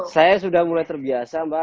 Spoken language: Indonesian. saya sudah mulai terbiasa mbak